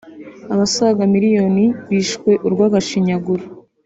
Abasaga miliyoni bishwe urw’agashinyaguro